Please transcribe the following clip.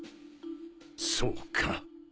そうか。